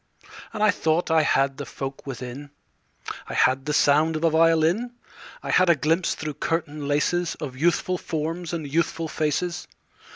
And I thought I had the folk within: I had the sound of a violin; I had a glimpse through curtain laces Of youthful forms and youthful faces.